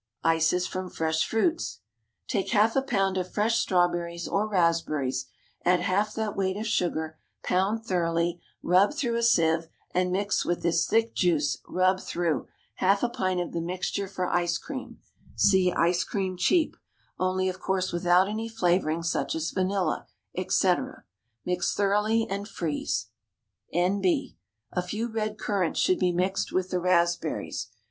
ICES FROM FRESH FRUITS. Take half a pound of fresh strawberries or raspberries, add half that weight of sugar, pound thoroughly, rub through a sieve, and mix with this thick juice, rubbed through, half a pint of the mixture made for ice cream (see ICE CREAM, CHEAP), only, of course, without any flavouring such as vanilla, etc. Mix thoroughly, and freeze. N.B. A few red currants should be mixed with the raspberries.